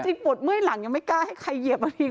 ปวดเมื่อยหลังยังไม่กล้าให้ใครเหยียบมาทิ้ง